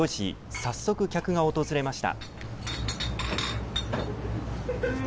早速、客が訪れました。